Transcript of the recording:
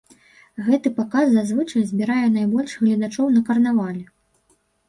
Гэты паказ зазвычай збірае найбольш гледачоў на карнавале.